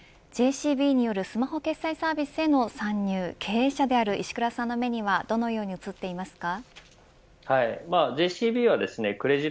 ＪＣＢによるスマホ決済サービスへの参入経営者である石倉さんの目にはどのように映っていますか。